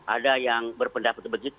ada yang berpendapat begitu